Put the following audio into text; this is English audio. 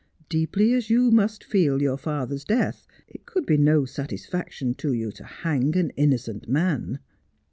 Deeply as you must feel your father's death it could be no satisfaction to you to hang an innocent man.'